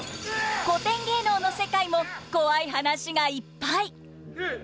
古典芸能の世界もコワい話がいっぱい。